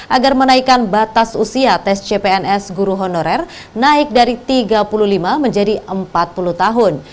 agar menaikkan batas usia tes cpns guru honorer naik dari tiga puluh lima menjadi empat puluh tahun